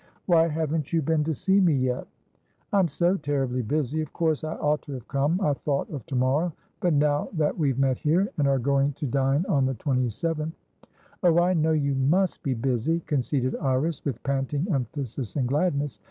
"Why haven't you been to see me yet?" "I'm so terribly busy. Of course I ought to have come. I thought of to morrowbut now that we've met here, and are going to dine on the 27th" "Oh, I know you must be busy!" conceded Iris, with panting emphasis and gladness.